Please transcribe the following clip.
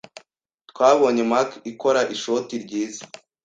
Twabonye Mac ikora ishoti ryiza.